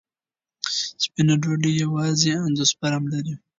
سپینه ډوډۍ یوازې اندوسپرم لري.